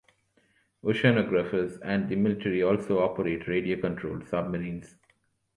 Oceanographers and the Military also operate radio-controlled submarines.